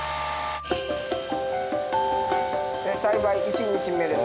栽培１日目です。